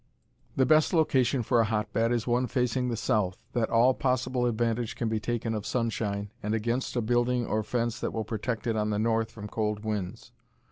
The best location for a hotbed is one facing the south, that all possible advantage can be taken of sunshine, and against a building or fence that will protect it on the north from cold winds.